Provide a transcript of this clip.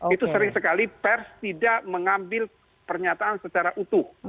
itu sering sekali pers tidak mengambil pernyataan secara utuh